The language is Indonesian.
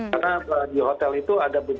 karena di hotel itu ada berbagai